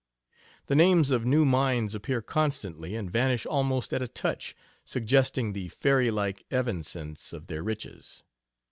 The names of new mines appear constantly and vanish almost at a touch, suggesting the fairy like evanescence of their riches.